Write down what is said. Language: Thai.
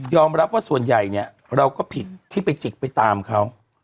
รับว่าส่วนใหญ่เนี่ยเราก็ผิดที่ไปจิกไปตามเขา